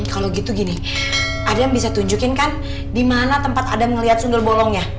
kalau gitu gini adam bisa tunjukin kan di mana tempat adam ngelihat sundel bolongnya